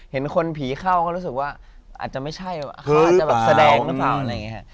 เห็นคนผีเข้าก็รู้สึกว่าอาจจะไม่ใช่เขาอาจจะแบบแสดงหรือเปล่า